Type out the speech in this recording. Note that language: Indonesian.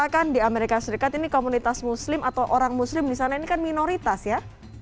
kan di amerika serikat ini komunitas muslim atau orang muslim di sana ini kan minoritas ya